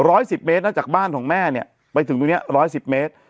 สิบเมตรนะจากบ้านของแม่เนี่ยไปถึงตรงเนี้ยร้อยสิบเมตร